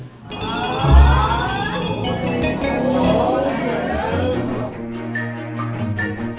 amirah diculik oleh wewe gombel